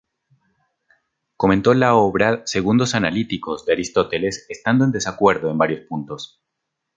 Comentó la obra "Segundos analíticos" de Aristóteles estando en desacuerdo en varios puntos.